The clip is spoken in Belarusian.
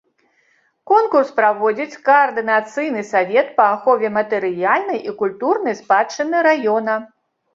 Конкурс праводзіць каардынацыйны савет па ахове матэрыяльнай і культурнай спадчыны раёна.